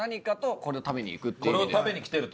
これを食べに来てると？